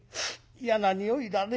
嫌な臭いだね。